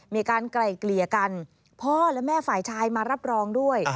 ไกล่เกลี่ยกันพ่อและแม่ฝ่ายชายมารับรองด้วย